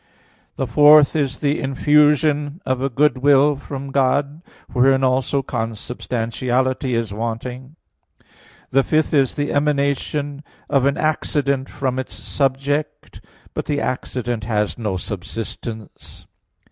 The fourth is the infusion of a good will from God; wherein also consubstantiality is wanting. The fifth is the emanation of an accident from its subject; but the accident has no subsistence.